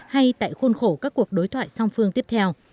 hay tại khuôn khổ các cuộc đối thoại song phương tiếp theo